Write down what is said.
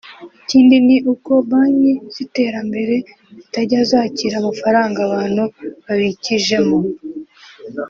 Ikindi ni uko banki z’iterambere zitajya zakira amafaranga abantu babikijemo